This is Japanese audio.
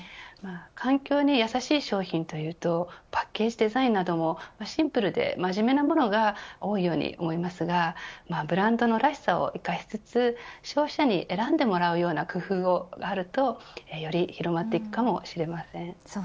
環境にやさしい商品というとパッケージデザインなどもシンプルで真面目なものが多いように思いますがブランドのらしさを生かしつつ消費者に選んでもらえる工夫があるとより広まっていくかもしれません。